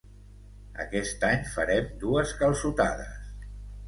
Aquest any farem dues calçotades.